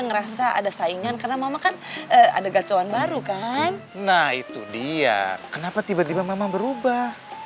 ngerasa ada saingan karena mama kan ada gacauan baru kan nah itu dia kenapa tiba tiba mama berubah